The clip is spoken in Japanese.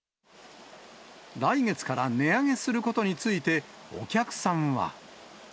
来月から値上げすることについて、お客さんは。